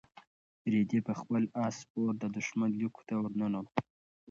رېدي په خپل اس سپور د دښمن لیکو ته ورننوت.